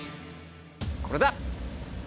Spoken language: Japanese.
これだ！